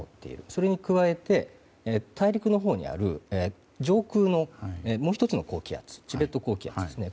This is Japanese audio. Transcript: それに加えて大陸のほうにある上空のもう１つの高気圧チベット高気圧ですね